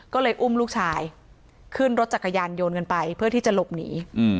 ก็เลยอุ้มลูกชายขึ้นรถจักรยานยนต์กันไปเพื่อที่จะหลบหนี